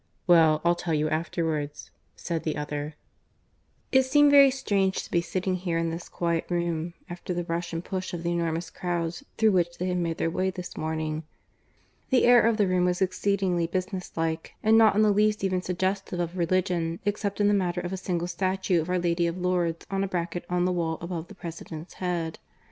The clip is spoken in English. "Well, I'll tell you afterwards," said the other. It seemed very strange to be sitting here, in this quiet room, after the rush and push of the enormous crowds through which they had made their way this morning. The air of the room was exceedingly business like, and not in the least even suggestive of religion, except in the matter of a single statue of Our Lady of Lourdes on a bracket on the wall above the President's head.